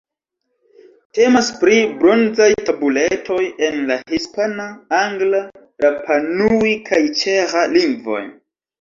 Temas pri bronzaj tabuletoj en la hispana, angla, rapa-nui kaj ĉeĥa lingvoj.